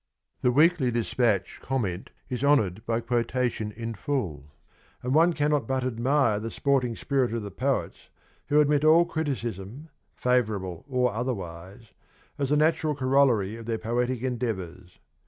The Weekly Despatch comment is honoured by quotation in full ; and one cannot but admire the sporting spirit of the poets who admit all criticism, favourable or otherwise, as the natural corollary of their poetic endeavours.